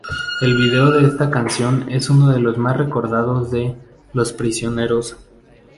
El video de esta canción es uno de los más recordados de Los Prisioneros.